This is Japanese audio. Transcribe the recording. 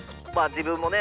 自分もね